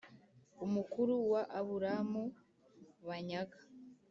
umukuru wa Aburamu banyaga